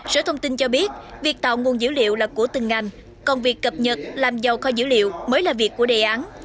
sở thông tin cho biết việc tạo nguồn dữ liệu là của từng ngành còn việc cập nhật làm giàu kho dữ liệu mới là việc của đề án